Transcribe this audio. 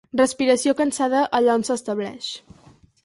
Respiració cansada allà on s'estableix.